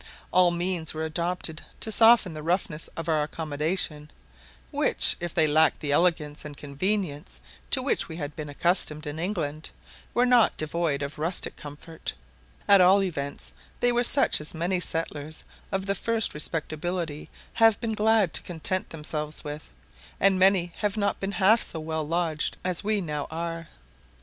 All means were adopted to soften the roughness of our accommodation, which, if they lacked that elegance and convenience to which we had been accustomed in England, were not devoid of rustic comfort; at all events they were such as many settlers of the first respectability have been glad to content themselves with, and many have not been half so well lodged as we now are.